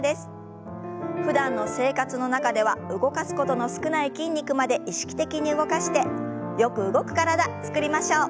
ふだんの生活の中では動かすことの少ない筋肉まで意識的に動かしてよく動く体つくりましょう。